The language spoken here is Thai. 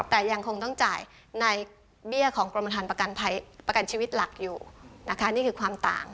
แต่ยังคงต้องจ่ายในเบี้ยของกรมฐานประกันภัยประกันชีวิตหลักอยู่นะคะนี่คือความต่าง